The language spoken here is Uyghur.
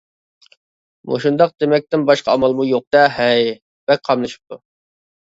مۇشۇنداق دېمەكتىن باشقا ئامالمۇ يوق-دە. ھەي. بەك قاملىشىپتۇ.